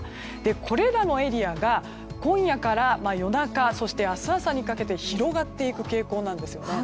これらのエリアが、今夜から夜中そして、明日朝にかけて広がっていく傾向なんですよね。